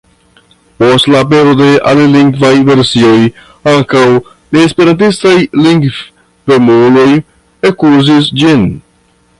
Post la apero de alilingvaj versioj ankaŭ neesperantistaj lingvemuloj ekuzis ĝin.